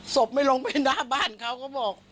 ศพไม่ลงไปหน้าบ้านเขาก็บอก